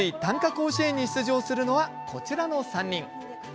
甲子園に出場するのはこちらの３人。